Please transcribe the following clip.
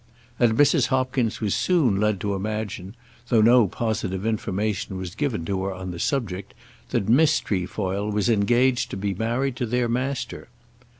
And Mrs. Hopkins was soon led to imagine, though no positive information was given to her on the subject, that Miss Trefoil was engaged to be married to their master.